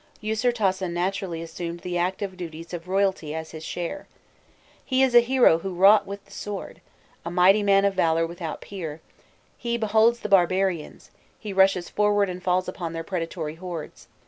Usirtasen naturally assumed the active duties of royalty as his share. "He is a hero who wrought with the sword, a mighty man of valour without peer: he beholds the barbarians, he rushes forward and falls upon their predatory hordes.